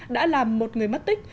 đã làm một người mất tích